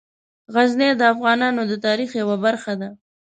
غزني د افغانانو د تاریخ یوه برخه ده.